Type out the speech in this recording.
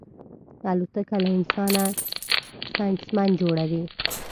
الوتکه له انسانه ساینسمن جوړوي.